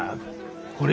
これ。